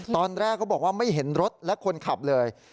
ตอนแรกเขาบอกว่าไม่เห็นรถและคนขับเลย